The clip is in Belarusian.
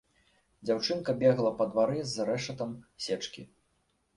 Дзяўчынка бегла па двары з рэшатам сечкі.